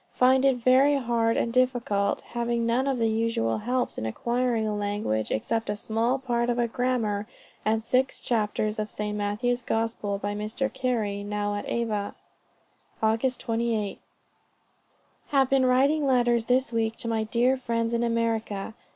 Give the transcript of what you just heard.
Find it very hard and difficult, having none of the usual helps in acquiring a language, except a small part of a grammar, and six chapters of St. Matthew's Gospel by Mr. Carey, now at Ava." "Aug. 28. Have been writing letters this week to my dear friends in America.